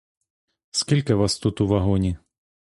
Скільки вас тут у вагоні?